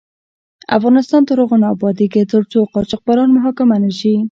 افغانستان تر هغو نه ابادیږي، ترڅو قاچاقبران محاکمه نشي.